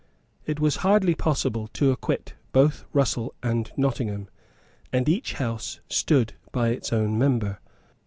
It was hardly possible to acquit both Russell and Nottingham; and each House stood by its own member.